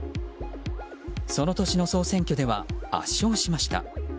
その年の総選挙では圧勝しました。